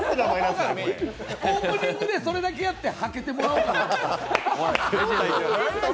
オープニングでそれだけやってはけてもらおうかなと。